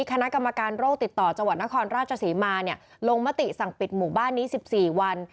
คณะกรรมการโรคติดต่อจังหวัดนครราชศรีมาลงมติสั่งปิดหมู่บ้านนี้๑๔วัน